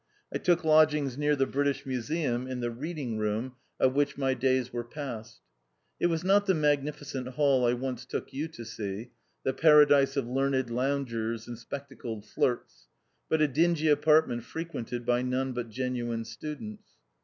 I took lodgings near the British Museum, in the reading room of which my days were passed. It was not the magnificent hall I once took you to see — the paradise of learned loungers and spectacled flirts — but a dingy apartment frequented by none but genuine students.